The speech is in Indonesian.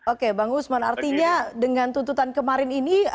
oke bang usman artinya dengan tuntutan kemarin ini